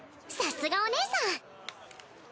さすがお姉さん。